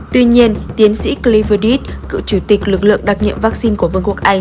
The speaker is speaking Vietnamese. tuy nhiên tiến sĩ clifford heath cựu chủ tịch lực lượng đặc nhiệm vaccine của vương quốc anh